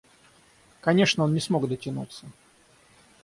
Конечно, он не смог дотянуться.